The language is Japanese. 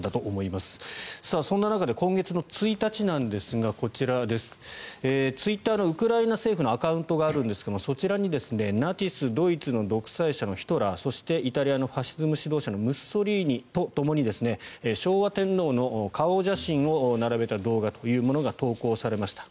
そんな中で今月１日ですがツイッターのウクライナ政府のアカウントがあるんですがそちらにナチス・ドイツの独裁者のヒトラーそしてイタリアのファシズム指導者ムッソリーニとともに昭和天皇の顔写真を並べた動画というものが投稿されました。